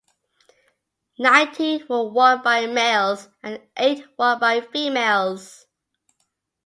Nineteen were won by males and eight won by females.